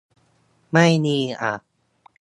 ไม่มีอ่ะ